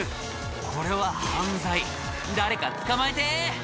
これは犯罪誰か捕まえて！